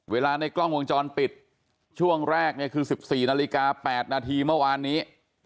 ในกล้องวงจรปิดช่วงแรกเนี่ยคือ๑๔นาฬิกา๘นาทีเมื่อวานนี้